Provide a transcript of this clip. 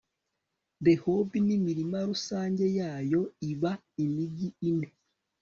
rehobi n'imirima rusange yayo: iba imigi ine